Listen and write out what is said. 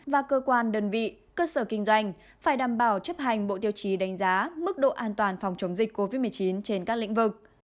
và cơ quan đơn vị cơ sở kinh doanh phải đảm bảo chấp hành bộ tiêu chí đánh giá mức độ an toàn phòng chống dịch covid một mươi chín trên các lĩnh vực